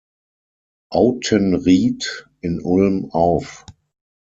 Autenrieth, in Ulm auf.